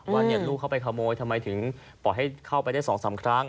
ว่าลูกเข้าไปขโมยทำไมถึงปล่อยให้เข้าไปได้๒๓ครั้ง